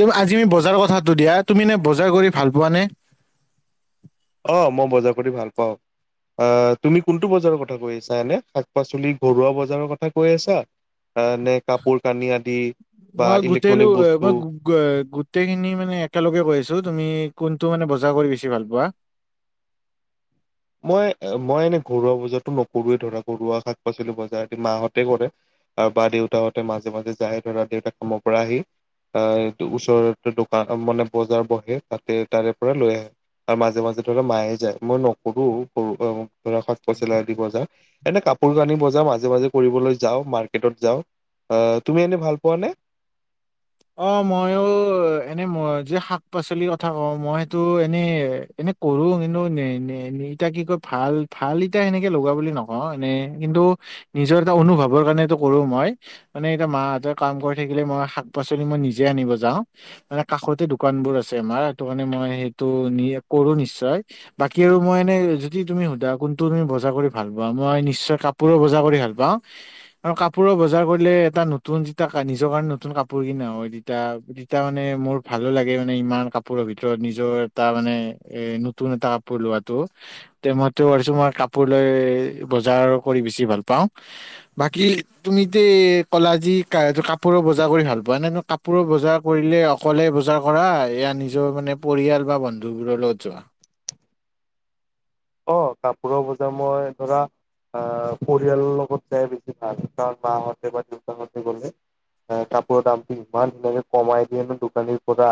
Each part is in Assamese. তো আজিৰ আমি বজাৰৰ কথাটো দিয়া তুমি নে বজাৰ কৰি ভাল পোৱা নে অ ম বজাৰ কৰি ভাল পাওঁ এ তুমি কোনটো বজাৰৰ কথা কৈ আছা এনে শাক পাচলি ঘৰুৱা বজাৰৰ কথা কৈ আছা আ নে কাপোৰ কানি আদি বা মই গোটেইলো ইলেক্ট্ৰনিক বস্তু মই গো গো এ গোটেই খিনি মানে একেলগে কৈ আছো তুমি, কোনটো মানে বজাৰ কৰি বেছি ভাল পোৱা। মই এ মই এনেই ঘৰুৱা বজাৰটো নকৰোৱে ধৰা ঘৰুৱা শাক পাচলি বজাৰ মাহঁতে কৰে আৰু বা দেউতাহঁতে মাজে মাজে যায় ধৰা দেউতাক কামৰ পৰা আহি আহ টো ওচৰতে দোকান মানে বজাৰ বহে তাতে তাৰে পৰা লৈ আহে আৰু মাজে মাজে ধৰা মায়ে যায় মই ন কৰোঁ [unintelligible] ধৰা শাক পচলি আদি বজাৰ। এনে কাপোৰ কানি বজাৰ মাজে মাজে কৰিবলৈ যাওঁ, মাৰ্কেটত যাওঁ। এ, তুমি এনেই ভাল পোৱা নে? অ', মইও এনে মই যে শাক পাচলিৰ কথা কওঁ মই সেইতো এনে এনে কৰো কিন্তু নে নি নি, এতিয়া কি কয় ভাল ভাল ইতিয়া সেনেকে লগা বুলি নকওঁ এনে, কিন্তু নিজৰ এটা অনুভৱৰ কাৰণ সেইটো কৰো মই, মানে এতিয়া মাঁহতে কাম কৰি থাকিলে মই শাক পাচলি মই নিজে আনিব যাওঁ, মানে কাষতে দোকানবোৰ আছে আমাৰ, সেইটো কাৰণে মই সেইটো নি কৰো নিশ্চয়। বাকী আৰু মই এনেই যদি তুমি সোধা কোনটো তুমি বজাৰ কৰি ভাল পোৱা মই নিশ্চয় কাপোৰৰ বজাৰ কৰি ভাল পাওঁ আৰু কাপোৰৰ বজাৰ কৰিলে এটা নতুন যিতা কা নিজৰ কাৰণে নতুন কাপ কাপোৰ কিনা হয় তেতিয়া তেতিয়া মানে মোৰ ভালো লাগে মানে ইমান কাপোৰৰ ভিতৰত নিজৰ এটা মানে এ নতুন এটা কাপোৰ লোৱাটো। তে মইটো ভাবিছোঁ মই কাপোৰ লৈ এ, বজাৰ কৰি বেছি ভাল পাওঁ, বাকী তুমিতে ইতে কলা যি কা-কাপোৰৰ বজাৰ কৰি ভাল পোৱা নাই ন কাপোৰৰ বজাৰ কৰিলে অকলে বজাৰ কৰা, এয়া নিজৰ মানে পৰিয়াল বা বন্ধুবোৰৰ লগত যোৱা? অ', কাপোৰৰ বজাৰ মই ধৰা আ পৰিয়ালৰ লগত যাই বেছি ভাল কাৰণ মাহঁতে বা দেউতাহঁতে গ'লে এ, কাপোৰৰ দামটো ইমান ধুনীয়াকে কমাই দিয়ে নো দোকানীৰ পৰা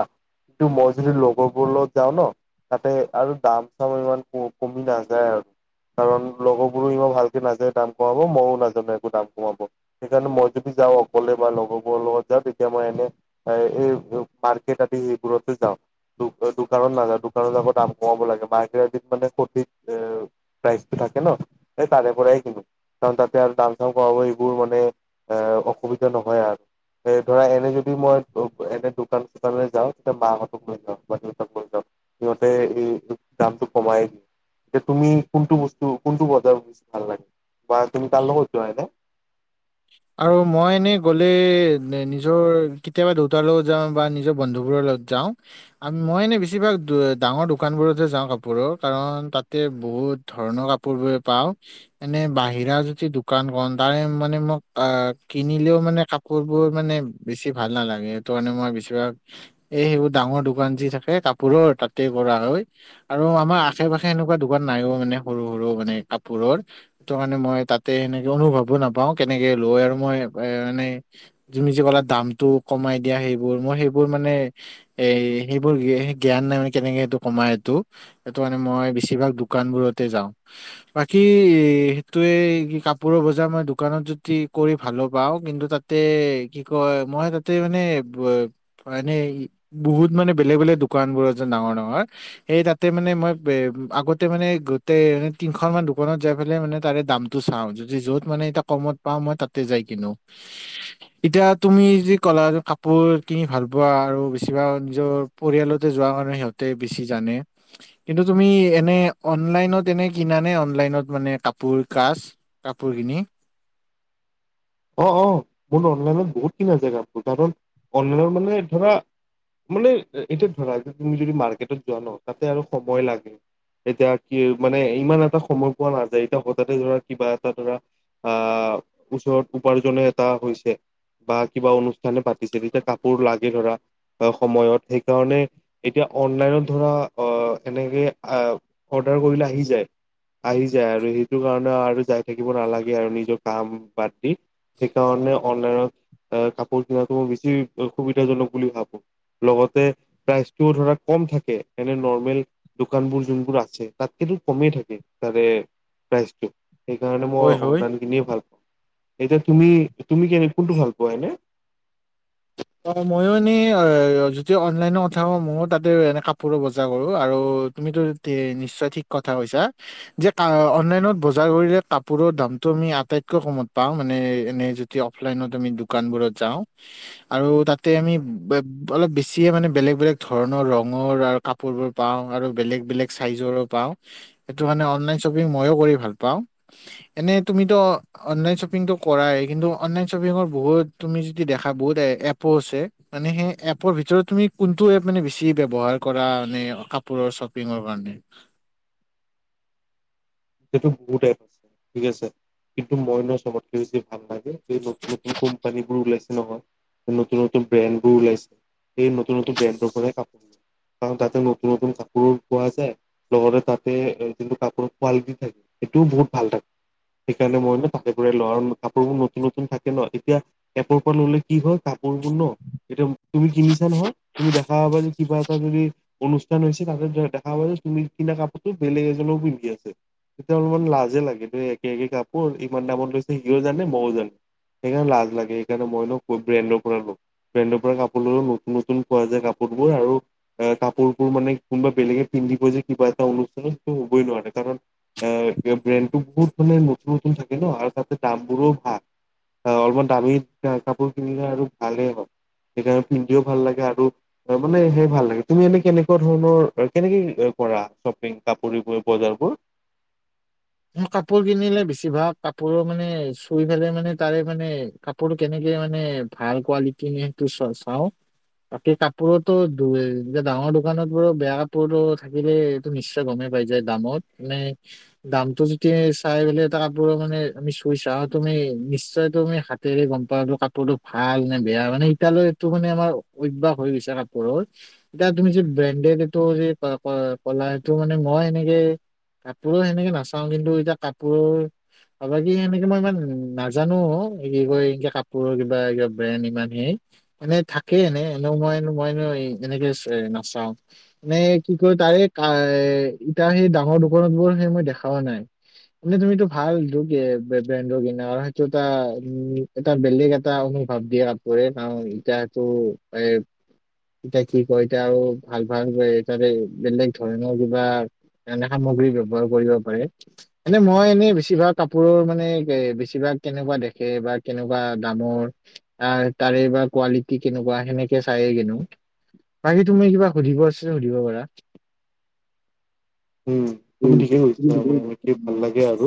কিন্তু মই যদি লগৰবোৰৰ লগত যাওঁ ন' তাতে আৰু দাম চাম ইমান কম কমি নাযায় আৰু কাৰণ লগৰবোৰো ইমান ভালকে নাযায় দাম কমাব, মইও নাজানো একো দাম কমাব। সেইকাৰণে মই যদি যাওঁ অকলে বা লগৰবোৰৰ লগত যাওঁ তেতিয়া মই এনে এ, এই মাৰ্কেট আদি সেইবোৰতে যাওঁ দোক-দোকানত নাযাওঁ দোকানত যাব দাম কমাব লাগে মাৰ্কেট আদিত মানে প এ, প্ৰাইজটো থাকে ন' এ, তাৰে পৰাই কিনো কাৰণ তাতে আৰু দাম চাম কমাব এইবোৰ মানে এ, অসুবিধা নহয় আৰু। এ, ধৰা এনে যদি মই ব এনে দোকান চোকানলে যাওঁ তেতিয়া মাহঁতক লৈ যাওঁ বা দেউতাক লৈ যাওঁ, সিঁহতে এই দু দামটো কমাই এ, তুমি কোনটো বস্তু কোনটো বজাৰত ভাল লাগে, বা তুমি কাৰ লগত যোৱা এনে? আৰু মই এনেই গ'লে নি নিজৰ কেতিয়াবা দেউতাৰ লগত যাওঁ বা নিজৰ বন্ধুবোৰৰ লগত যাওঁ। আ মই এনে বেছিভাগ দু ডাঙৰ দোকানবোৰতহে যাওঁ কাপোৰৰ, কাৰণ তাতে বহুত ধৰণৰ কাপোৰবোৰ পাওঁ, এনে বাহিৰা যদি দোকান কম তাৰে মানে মোক আ কিনিলেও মানে কাপোৰবোৰ মানে বেছি ভাল নালাগে, সেইটো কাৰণে মই বেছিভাগ এই সেইবোৰ ডাঙৰ দোকান যি থাকে কাপোৰৰ তাতে কৰা হয় আৰু আমাৰ আশে পাশে এনেকুৱা দোকান নাইও মানে সৰু সৰু মানে কাপোৰৰ, ইটো কাৰণে মই তাতে এনেকে অনুভৱো নাপাও কে কেনেকে লৈ আৰু মই এ, মানে তুমি যে ক'লা দামটো কমাই দিয়া সেইবোৰ মই সেইবোৰ মানে, এই সেইবোৰ সে জ্ঞান নাই মান কেনেকে সেইটো কমাই এইটো। সেইটো কাৰণে মানে মই বেছিভাগ দোকান বোৰতে যাও বাকি এ সেইটোয়ে কি কাপোৰৰ বজাৰ মই দোকানত য [unintelligible] কৰি ভালো পাওঁ কিন্তু তাতে কি কয় মই তাতে মানে ব এনেই ই বহুত মানে বেলেগ বেলেগ দোকান বোৰ আছে ডাঙৰ ডাঙৰ সেই তাতে মানে মই বে আগতে মানে গোটে মানে তিনখনমান দোকানত যাই পেলাই মানে তাৰে দামটো চাওঁ যদি য'ত মানে এটা কমত পাওঁ মই তাতে যায় কিনো এতিয়া তুমি যি কলা য কাপোৰ কিনি ভালপোৱা আৰু বেছিভাগ য'ৰ পৰিয়ালতে যোৱা কাৰণে সিহঁতে বেছি জানে, কিন্তু তুমি এনেই অনলাইনত এনেই কিনানে অনলাইনত মানে কাপোৰ কাজ কাপোৰ কিনি? অ', অ', মোৰ অনলাইনত বহুত কিনা যায় কাপোৰ, কাৰণ অনলাইন মানে ধৰা, মানে এতিয়া ধৰা, তুমি যদি মাৰ্কেটত যোৱা ন, তাতে আৰু সময় লাগে, এতিয়া কি মানে ইমান এটা সময় পোৱা নাযায় এতিয়া হঠাতে ধৰা কিবা এটা ধৰা আ, ওচৰত উপাৰ্জনে এটা হৈছে বা কিবা অনুষ্ঠানে পাতিছে, তেতিয়া কাপোৰ লাগে ধৰা সময়ত সেইকাৰণে এতিয়া অনলাইনত ধৰা, অ', এনেকে আ, অৰ্ডাৰ কৰিলে আহি যায়, আহি যায় আৰু সেইটো কাৰণে আৰু যায় থাকিব নালাগে আৰু নিজৰ কাম বাদ দি। সেইকাৰণে অনলাইনত অ, কাপোৰ কিনাটো মই বেছি সুবিধাজনক বুলি ভাবো। লগতে প্ৰাইচটোও ধৰা কম থাকে, এনে নৰ্মেল দোকানবোৰ যোনবোৰ আছে তাতকে টো কমেই থাকে, তাৰে প্ৰাইচটো। সেইকাৰণে হয় মই হয় অনলাইন কিনিয়ে ভাল পাওঁ। এতিয়া, তুমি, তুমি কেনে-কোনটো ভাল পোৱা এনে? অ', ময়ো এনে অ, যদি অনলাইনৰ কথা কওঁ ময়ো তাতে এনে কাপোৰৰ বজাৰ কৰোঁ, আৰু তুমিতো তে, নিশ্চয় ঠিক কথা কৈছা, যে কা অনলাইনত বজাৰ কৰিলে কাপোৰৰ দামটো আমি আটাইতকৈ কমত পাওঁ মানে এনে যেতিয়া অফলাইনত আমি দোকানবোৰত যাওঁ। আৰু তাতে আমি ব, অলপ বেছিয়ে মানে বেলেগ বেলেগ ধৰণৰ ৰঙৰ আৰু কাপোৰবোৰ পাওঁ আৰু বেলেগ বেলেগ চাইজৰো পাওঁ। সেইটো কাৰণে অনলাইন শ্বপিং মইয়ো কৰি ভাল পাওঁ। এনে তুমিতো অ, অনলাইন শ্বপিংতটো কৰাই কিন্তু অনলাইন শ্বপিঙৰ বহুত তুমি যদি দেখা বহুত এ এপো আছে, মানে সেই এপৰ ভিতৰত তুমি কোনটো এপ মানে বেছি ব্যৱহাৰ কৰা, এনেই কাপোৰৰ শ্বপিংৰ কাৰণে? সেইটো বহুত এপ, ঠিক আছে। কিন্তু মই নহয় চবতকে বেছি ভাল লাগে এই নতুন-নতুন কোম্পানীবোৰ ওলাইছে। নহয়, নতুন - নতুন ব্ৰেণ্ড বোৰ ওলাইছে, সেই নতুন - নতুন ব্ৰেণ্ডৰ পৰাই কাপোৰ লোৱা হয়। কাৰণ তাতে নতুন - নতুন কাপোৰ পোৱা যায়, লগতে তাতে যোনটো কাপোৰত কোৱালিটি থাকে, সেইটোও বহুত ভাল থাকে, সেইকাৰণে মই ন তাৰে পৰাই লওঁ আৰু কাপোৰবোৰ নতুন - নতুন থাকে ন এতিয়া এপৰ পৰা ল'লে কি হয় কাপোৰবোৰ ন, এতিয়া তুমি কিনিছা নহয়? তুমি দেখা [unintelligible] কিবা এটা যদি অনুষ্ঠান হৈছে, তাতে দেখা পাবা যে, তুমি কিনা কাপোৰতো বেলেগ এজনেও পিন্ধি আছে। তেতিয়া অলপমান লাজে লাগে দেই, একে একে কাপোৰ ইমান দামত লৈছে সিও জানে ময়ো জানো। সেইকাৰণে লাজ লাগে সেইকাৰণে মই নকওঁ, ক'ৰ ব্ৰেণ্ডৰ পৰা লওঁ। ব্ৰেণ্ডৰ পৰা কাপোৰ ল'লে নতুন -নতুন পোৱা যায় কাপোৰবোৰ আৰু কাপোৰবোৰ মানে কোনোবা বেলেগে পিন্ধিব যে কিবা এটা অনুষ্ঠানত সেইটো হ'বই নোৱাৰে কাৰণ এ ব্ৰেণ্ডবোৰ বহুত মানে নতুন-নতুন থাকে ন, আৰু তাতে দাম বোৰো ভাল। অলপমান দামী কাপোৰ কিনিলে আৰু ভালেই হয়। সেইকাৰণে পিন্ধিও ভাল লাগে আৰু তাৰমানে সেয়াই ভাল লাগে। তুমি এনে কেনেকুৱা ধৰণৰ কেনেকে কৰা শ্বপিং কাপোৰ এইবোৰ বজাৰ বোৰ? মই কাপোৰ কিনিলে বেছি ভাগ কাপোৰ মানে চুই পেলাই মানে তাৰে মানে কাপোৰ কেনেকে মানে ভাল কোৱালিটি সেইটো চ-চাওঁ, বাকী কাপোৰতো দো-ডাঙৰ দোকানত বাৰু বেয়া কাপোৰো থাকিলে, এইটো নিশ্চয় গ'মেই পাই যায় দামত। মানে দামটো যেতিয়া চাইপেলে এটা কাপোৰ মানে আমি চুই চাওঁ তুমি নিশ্চয় তুমি হাতেৰে গম পাওঁ কাপোৰটো ভাল নে বেয়া মানে এতিয়ালৈ এইটো মানে আমাৰ অভ্যাস হৈ গৈছে কাপোৰৰ, এতিয়া তুমি যে ব্ৰেণ্ডেড এইটো যে ক-ক কলা এইটো মানে মই সেনেকে কাপোৰো সেনেকে ন কিন্তু এতিয়া কাপোৰৰ বাকি সেনেকে মই ইমান নাজানো অ' কি কয় এনেকে কাপোৰৰ কিবা কিবা ব্ৰেণ্ড ইমান সেই মানে থাকেই এনে এনেও মই মই এনেকে নাচাও মানে কি কয় তাৰে এ ইতা সেই ডাঙৰ দোকনত বোৰ সেই মই দেখা হ নাই, মানে তুমিটো ভাল দু কি বে ব্ৰেণ্ডৰ কিনা আৰু সেইটো এটা উ এটা বেলেগ এটা অনুভৱ দিয়া কাপোৰে কাৰণ এতিয়াটো এ, এতিয়া কি কয় এতিয়া আৰু ভাল - ভাল তাৰে বেলেগ ধৰণৰ কিবা এ সামগ্ৰী ব্ৱহাৰ কৰিব এনে মই এনেই বেছিভাগ কাপোৰৰ মানে বেছিভাগ কেনেকুৱা দেখে বা কেনেকুৱা দামৰ তাৰ তাৰে বা কোৱালিটি কেনেকুৱা সেনেকে চাইয়ে কিনো, বাকী তুমি কিবা সুধিব আছে সুধিব পাৰা। উম তুমি উম, ঠিকেই তুমি কৈছা। কি কৰিবা? দেখি ভাল লাগে আৰু।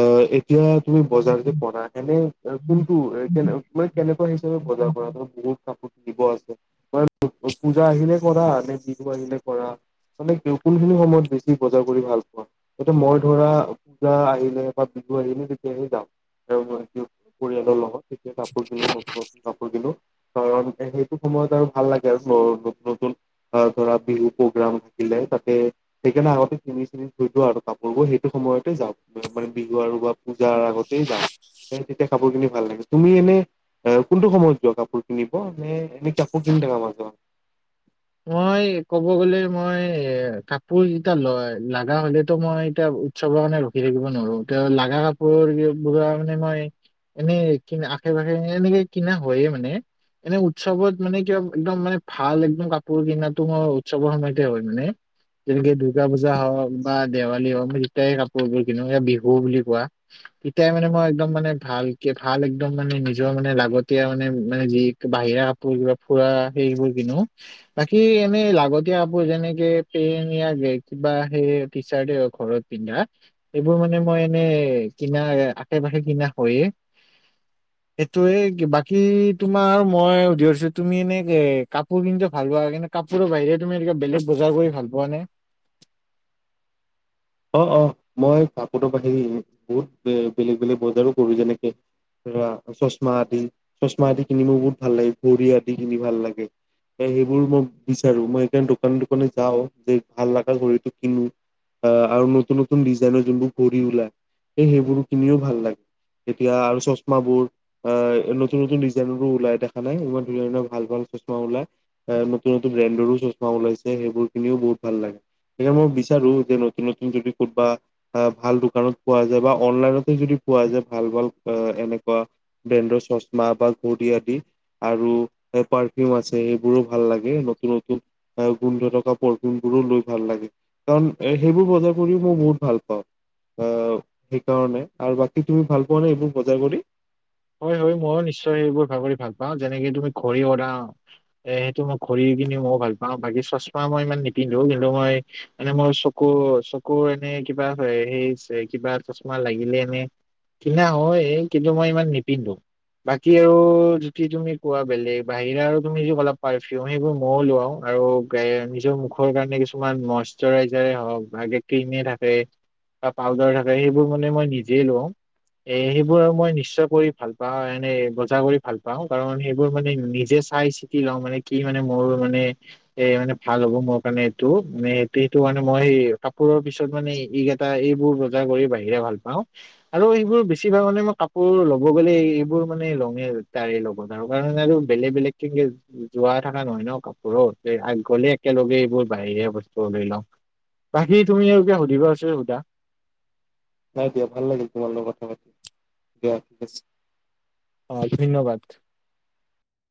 অ' এতিয়া তুমি বজাৰ যে কৰাহেনে? এ, কোনটো এ, কেন মানে কেনেকুৱা হিচাপে বজাৰ কৰা, ধৰা বহুত কাপোৰ? দিব আছে, মই পূ-পূজা আহিলে কৰা নে বিহু আহিলে কৰা, মানে ক কোনখিনি সময়ত? বেছি বজাৰ কৰি ভাল পোৱা, এতিয়া মই ধৰা পূজা আহিলে বা বিহু আহিলে তেতিয়াহে যাওঁ, আৰু য-অ পৰিয়ালৰ লগত। কাপোৰ কিনো নতুন নতুন কাপোৰ কিনো। কাৰণ সেইটো সময়ত আৰু ভাল লাগে আৰু নতুন নতুন ধৰা বিহু প্ৰগ্ৰাম থাকিলে তাতে। সেইকাৰণে আগতে চিনি-চিনি ধুই লোৱা আৰু কাপোৰ বোৰ সেইটো সময়তে যাওঁ মানে বিহু আৰু বা পূজাৰ আগতে যাওঁ সেই তেতিয়া কাপোৰ কিনি ভাল লাগে। তুমি এনে এ, কোনটো সময়ত যোৱা কাপোৰ কিনিব? নে এনে কাপোৰ কিনি থাকা মাজে-মাজে? মই ক'ব গ'লে মই এ, কাপোৰ যিটা লয়, লাগা হ'লেতো মই এতিয়া উৎসৱৰ কানে ৰখি থাকিব নৰো। ত' লাগা কাপোৰ এ-বোৰৰ মানে মই এনেই কিন, আশে-পাশে এনেকে কিনা হয়ে মানে। এনে উৎসৱত মানে কিবা একদম মানে ভাল একদম ক কাপোৰ কিনাতো মই উৎসৱৰ সময়তে হয় মানে, যেনেকে দূৰ্গা পূজা হওঁক বা দেৱালী হওঁক মানে যেতিয়াই ই কাপোৰবোৰ কিনো বিহু বুলি কোৱা তেতিয়াই মানে মই একদম মানে ভালকে ভাল একদম মানে নিজৰ মানে লাগতিয়াল মানে মানে যি বাহিৰা কাপোৰ কিবা ফুৰা সেইবোৰ কিনো। বাকী এনে লাগতিয়া কাপোৰ যেনেকে পেন য়া, গে, কিবা সেই টি চাৰ্টএ হওঁক ঘৰত পিন্ধা, এইবোৰ মানে মই এনে কিনা আশে-পাশে কিনা হয়য়ে, সেইটোয়ে। বাকি তোমাৰ মই সুধি বিছাৰো তুমি এনেকে কাপোৰ কি ভাল পোৱা লা কিন্তু কাপোৰৰ বাহিৰে তুমি এনেকে বেলেগ বজাৰ কৰি ভাল পোৱা নে? অ, অ, মই কাপোৰৰ বাহি বহুত বে বেলেগ বেলেগ বজাৰো কৰোঁ যেনেকে চশমা আদি চশমা আদি কিনি মোৰ বহুত ভাল লাগে ঘড়ী আদি কিনি ভাল লাগে এ সেইবোৰ মই বিচাৰো মই সেইকাৰণে দোকান দোকানে যাওঁ যে ভাল লগা ঘড়ীটো কিনো। অ আৰু নতুন-নতুন ডিজাইনৰ যোনবোৰ ঘড়ী ওলায়, এই সেইবোৰ কিনিও ভাল লাগে, এতিয়া আৰু চশমাবোৰ আ নতুন-নতুন ডিজাইনৰো ওলাই দেখা নাই ইমান ধুনীয়া ধুনীয়া ভাল ভাল চশমা ওলাই, এ নতুন-নতুন ব্ৰেণ্ডৰো চশমা ওলাইছে সেইবোৰ কিনিও বহুত ভাল লাগে, সেইকাৰণে মই বিচাৰো যে নতুন যদি কোনোবা ভাল দোকানত পোৱা যায় বা অনলাইনতে যদি পোৱা যায় ভাল ভাল এনেকুৱা ব্ৰেণ্ডৰ চশমা বা ঘড়ী আদি, আৰু এ পাৰফিউম আছে সেইবোৰো ভাল লাগে নতুন-নতুন গোন্ধ থকা পৰফিউম বোৰো লৈ ভাল লাগে কাৰণ সেইবোৰ বজাৰ কৰিও মই বহুত ভাল পাওঁ, অ, সেইকাৰণে আৰু বাকী তুমি ভাল পোৱা নে এইবোৰ বজাৰ কৰি? হয়-হয় মই নিশ্চয় সেইবোৰ ভগৰী ভাল পাওঁ যেনেকে তুমি ঘড়ী ওৰাও এ সেইটো মই ঘড়ী কিনি মই ভাল পাওঁ বাকী চশমা মই ইমান নিপিন্ধো কিন্তু মই মানে মোৰ চকু -চকুৰ এনে কিবা হেৰি ছে কিবা চশমা লাগিলে এনে কিনা হয় কিন্তু মই ইমান নি পিন্ধো, বাকী আৰু যদি তুমি কোৱা বেলেগ বাহিৰা আৰু তুমি যদি অলপ পাৰফিউম সেইবোৰ ময়ো লোৱাওঁ আৰু গা নিজৰ মুখৰ কাৰণে কিছুমান মইশ্বৰাইজাৰেই হওঁক ভাগে ক্ৰীমেই থাকে বা পাউদাৰ থাকে সেইবোৰ মানে মই নিজেই লোৱাওঁ এই সেইবোৰ আৰু মই নিশ্চয় কৰি ভাল পাওঁ এনে বজাৰ কৰি ভাল পাওঁ কাৰণ সেইবোৰ মানে নিজে চাই-চিতি লওঁ মানে কি মানে মোৰ মানে এ মানে ভাল হ'ব মোৰ কাৰণে এইটো মানে সেইটো - সেইটো মানে মই কাপোৰৰ পিছত মানে ইগ এটা এইবোৰ বজাৰ কৰি বাহিৰে ভাল পাওঁ আৰু এবোৰ বেছিভাগ মানে মই কাপোৰ ক'ব গ'লে এইবোৰ মানে লঙেল তাৰেই লগত তাৰকাৰণে আৰু বেলেগ বেলেগ কে যোৱা থাকা নহয় ন কাপোৰৰ আগ গলে একেলগে এইবোৰ বাহিৰে বস্তু লৈ লওঁ বাকী তুমি আৰু কিবা সুধিবা আছে যদি সুধা। নাই দিয়া ভাল লাগিল তোমাৰ লগত কথা পাতি দিয়া ঠিক আছে। অ ধন্যবাদ।